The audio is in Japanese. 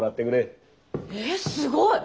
えすごい！